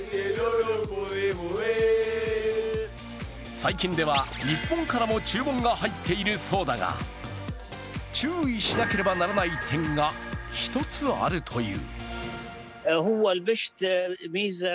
最近では、日本からも注文が入っているそうだが、注意しなければならない点が１つあるという。